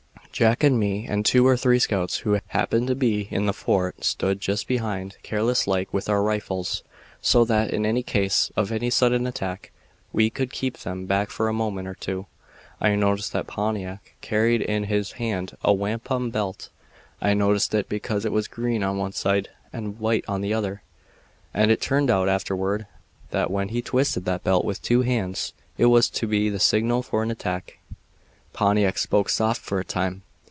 "Jack and me and two or three scouts who happened to be in the fort stood just behind, careless like, with our rifles, so that, in case of any sudden attack, we could keep them back for a moment or two. I noticed that Pontiac carried in his hand a wampum belt. I noticed it because it was green on one side and white on the other, and it turned out arterward that when he twisted that belt with two hands it was to be the signal for an attack. "Pontiac spoke soft for a time.